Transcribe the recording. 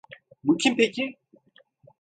Bu kim peki?